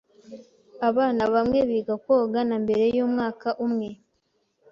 Abana bamwe biga koga na mbere yumwaka umwe.